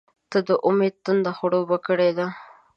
• ته د امید تنده خړوبه کړې ده.